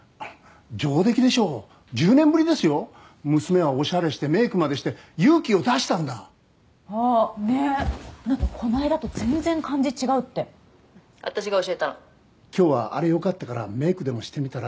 上出来でしょう１０年ぶりですよ娘はオシャレしてメークまでして勇気を出したんだあっねえこないだと全然感じ違うって「私が教えたの」今日はあれよかったからメークでもしてみたら？